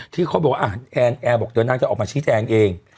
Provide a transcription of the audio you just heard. ที่เขาบอกว่าแอร์บอกว่านางจะออกมาชี้แจ้งเอง